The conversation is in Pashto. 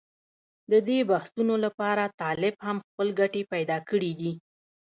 د دې بحثونو لپاره طالب هم خپل ګټې پېدا کړې دي.